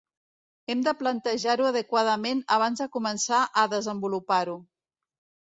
Hem de planejar-ho adequadament abans de començar a desenvolupar-ho.